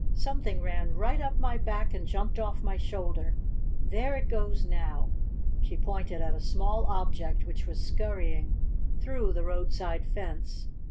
Something ran right up my back and jumped off my shoulder. There it goes now!" She pointed at a small object which was scurrying through the roadside fence.